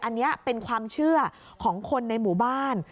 อันนี้เป็นความเชื่อของคนในหมู่บ้าน